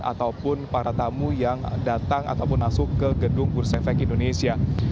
ataupun para tamu yang datang ataupun masuk ke gedung bursa efek indonesia